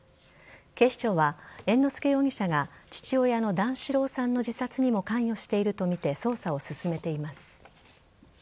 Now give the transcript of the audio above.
警視庁は猿之助容疑者が父親の段四郎さんの自殺にも関与しているとみて捜査を進めています。